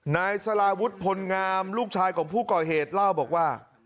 นายสลาวุฒิพลงามลูกชายของผู้ก่อเหตุเล่าบอกว่า